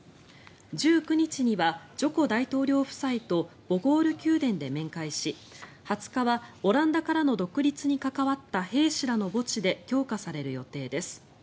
１９日にはジョコ大統領夫妻とボゴール宮殿で面会し２０日は、オランダからの独立に関わった兵士らの墓地で供花される予定です。